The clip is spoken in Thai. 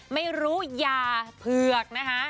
ไม่รู้ยาเผือกนะคะ